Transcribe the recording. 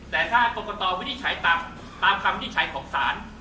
แต่ถ้ากรกตวินิจฉัยตามคำวินิจฉัยของศาล